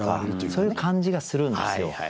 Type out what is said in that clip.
そういう感じがするんですよ。